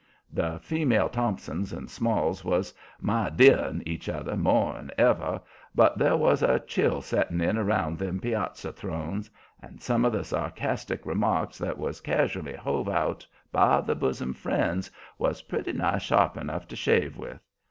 The female Thompsons and Smalls was "my dear in'" each other more'n ever, but there was a chill setting in round them piazza thrones, and some of the sarcastic remarks that was casually hove out by the bosom friends was pretty nigh sharp enough to shave with.